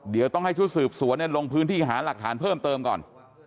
เดี๋ยวต้องให้ชุดสืบสวนลงพื้นที่หาหลักฐานเพิ่มเติมก่อน